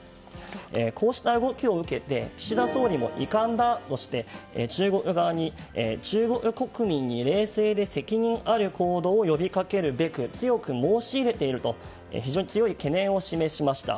こうした動きを受けて岸田総理も遺憾だとしたうえで中国国民に冷静で責任ある行動を呼びかけるべく強く申し入れていると非常に強い懸念を示しました。